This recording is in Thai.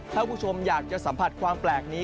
ถ้าคุณผู้ชมอยากจะสัมผัสความแปลกนี้